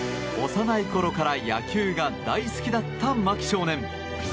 幼いころから野球が大好きだった牧少年。